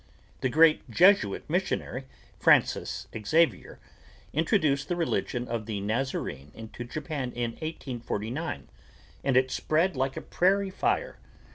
The great Jesuit missionary, Francis Xavier, introduced the religion of the Nazarene into Japan in 1849, and it spread like a prairie fire.